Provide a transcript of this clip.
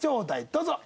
どうぞ！